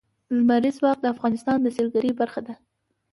لمریز ځواک د افغانستان د سیلګرۍ برخه ده.